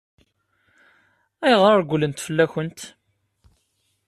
Ayɣer i regglen fell-akent?